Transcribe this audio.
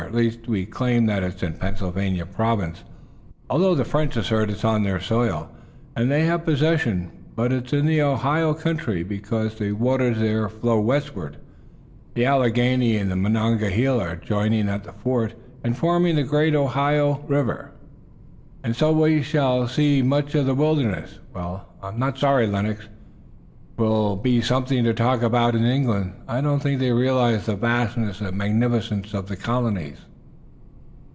At least, we claim that it's in Pennsylvania province, although the French assert it's on their soil, and they have possession. But it's in the Ohio country, because the waters there flow westward, the Alleghany and Monongahela joining at the fort and forming the great Ohio." "And so we shall see much of the wilderness. Well, I'm not sorry, Lennox. 'Twill be something to talk about in England. I don't think they realize there the vastness and magnificence of the colonies."